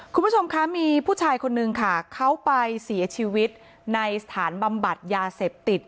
คุณผู้ชมคะมีผู้ชายคนนึงค่ะเขาไปเสียชีวิตในสถานบำบัดยาเสพติด